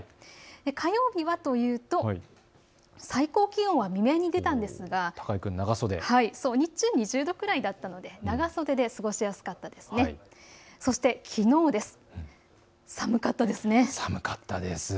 火曜日はというと最高気温は未明に出たんですが日中２０度くらいだったので長袖で過ごしやすかったですね。